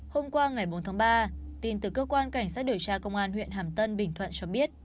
hôm qua ngày bốn tháng ba tin từ cơ quan cảnh sát điều tra công an huyện hàm tân bình thuận cho biết